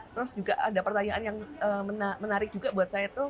terus juga ada pertanyaan yang menarik juga buat saya tuh